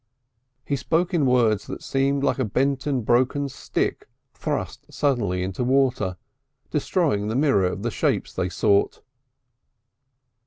He spoke in words that seemed like a bent and broken stick thrust suddenly into water, destroying the mirror of the shapes they sought.